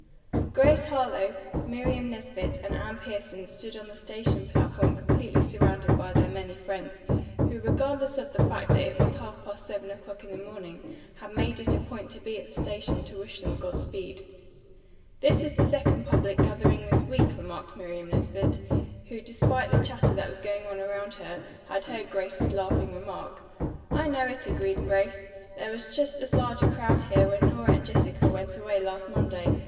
Grace Harlowe, Miriam Nesbit and Anne Pierson stood on the station platform completely surrounded by their many friends, who, regardless of the fact that it was half past seven o'clock in the morning, had made it a point to be at the station to wish them godspeed. "This is the second public gathering this week," remarked Miriam Nesbit, who, despite the chatter that was going on around her, had heard Grace's laughing remark. "I know it," agreed Grace. "There was just as large a crowd here when Nora and Jessica went away last Monday.